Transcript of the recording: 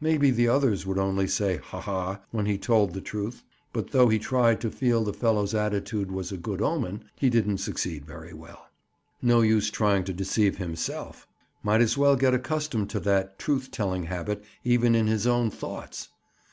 Maybe the others would only say "Ha! ha!" when he told the truth. But though he tried to feel the fellow's attitude was a good omen, he didn't succeed very well. No use trying to deceive himself! Might as well get accustomed to that truth telling habit even in his own thoughts!